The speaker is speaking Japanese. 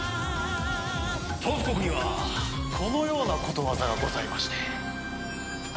トウフ国にはこのようなことわざがございまして。